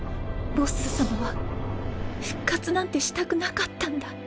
ボッス様は復活なんてしたくなかったんだ